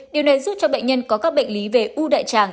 điều này giúp cho bệnh nhân có các bệnh lý về u đại tràng